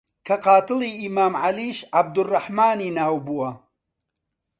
کە قاتڵی ئیمام عەلیش عەبدوڕڕەحمانی ناو بووە